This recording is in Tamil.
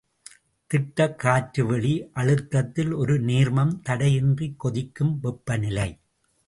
திட்டக் காற்று வெளி அழுத்தத்தில் ஒரு நீர்மம் தடையின்றிக் கொதிக்கும் வெப்பநிலை.